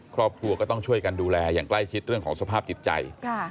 ครอบครัวก็ต้องช่วยกันดูแลอย่างใกล้ชิดเรื่องของสภาพจิตใจ